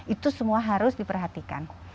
itu semua harus diperhatikan